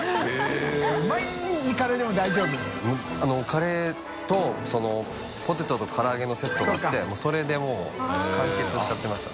カレーとポテトと唐揚げのセットがあって發それでもう完結しちゃってました。